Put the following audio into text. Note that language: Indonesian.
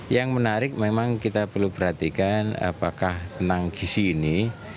yang menarik memang kita perlu perhatikan apakah tentang gisi ini